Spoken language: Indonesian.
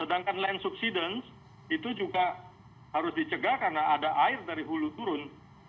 sedangkan land subsidence itu juga harus dicegah karena ada air dari hulu turun